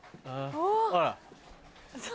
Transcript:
あら？